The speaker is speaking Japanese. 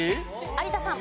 有田さん。